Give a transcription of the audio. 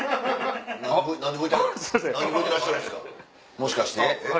もしかして？